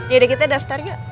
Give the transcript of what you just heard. yaudah kita daftar yuk